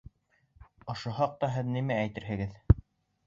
Ошо хаҡта һеҙ нимә әйтерһегеҙ?